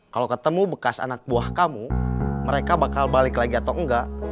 kalau ketemu bekas anak buah kamu mereka bakal balik lagi atau enggak